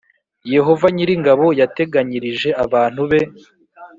Yehova nyir ingabo yateganyirije abantu be